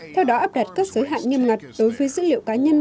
theo đó áp đặt các giới hạn nghiêm ngặt đối với dữ liệu cá nhân